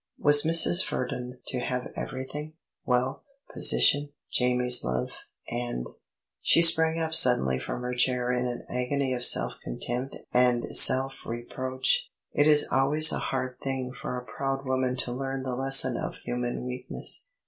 Was Mrs. Verdon to have everything wealth, position, Jamie's love, and She sprang up suddenly from her chair in an agony of self contempt and self reproach. It is always a hard thing for a proud woman to learn the lesson of human weakness.